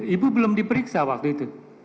ibu belum diperiksa waktu itu